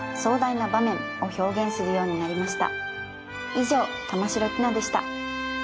以上玉城ティナでした。